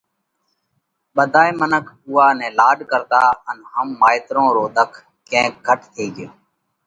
ٻڌائي اُوئا نئہ لاڏ ڪرتا ان هم مائيترون رو ۮک ڪينڪ گھٽ ٿي ڳيو۔